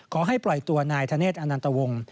ขอให้ปล่อยตัวนายธเนธอนันตวงศ์